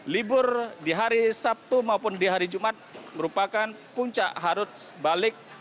libur di hari sabtu maupun di hari jumat merupakan puncak arus balik